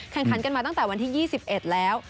แข่งขันกันมาตั้งแต่วันที่๒๑แล้ว